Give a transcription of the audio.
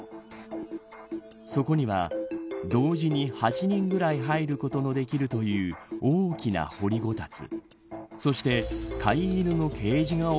そこには同時に８人ぐらい入ることのできるという大きな掘りごたつ。